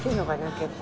結構。